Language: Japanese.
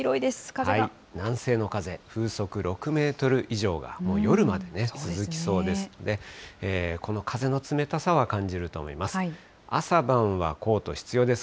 南西の風、風速６メートル以上が、もう夜まで続きそうですので、この風の冷たさは感じると思います。